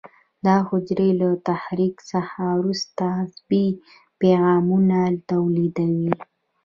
دا حجرې له تحریک څخه وروسته عصبي پیغامونه تولیدوي.